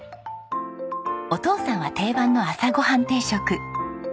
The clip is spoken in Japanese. お父さんは定番の朝ごはん定食。